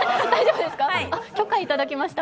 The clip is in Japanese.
あ、許可をいただきました